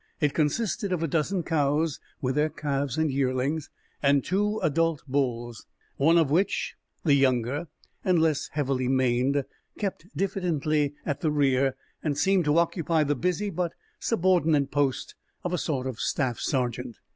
It consisted of a dozen cows with their calves and yearlings, and two adult bulls, one of which, the younger and less heavily maned, kept diffidently at the rear and seemed to occupy the busy but subordinate post of a sort of staff sergeant.